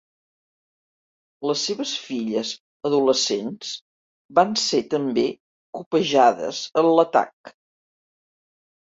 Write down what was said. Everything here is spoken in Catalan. Les seves filles adolescents van ser també copejades en l'atac.